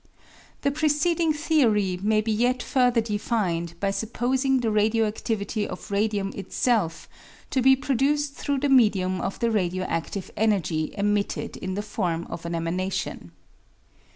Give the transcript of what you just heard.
The preceding theory may be yet further defined by sup posing the radio adivity of radium itself to be produced through the medium of the radioadive energy emitted in the form of an emanation.